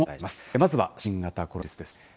まずは新型コロナウイルスです。